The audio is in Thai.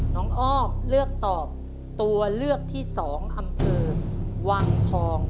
อ้อมเลือกตอบตัวเลือกที่๒อำเภอวังทอง